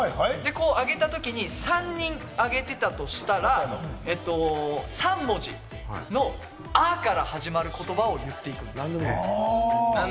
上げたときに３人上げてたとしたら、３文字の「あ」から始まる言葉を言っていく。